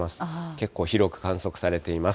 結構広く観測されています。